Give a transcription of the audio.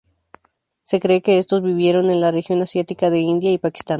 Se cree que estos vivieron en la región asiática de India y Pakistán.